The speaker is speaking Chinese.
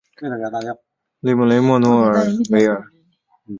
利梅雷默诺维尔。